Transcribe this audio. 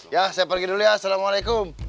ya saya pergi dulu ya assalamualaikum